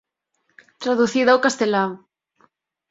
Traducida ao castelán.